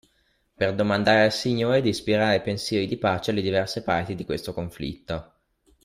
Per domandare al Signore di ispirare pensieri di pace alle diverse parti di questo conflitto!